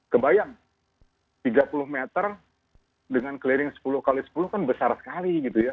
kebayang tiga puluh meter dengan clearing sepuluh x sepuluh kan besar sekali gitu ya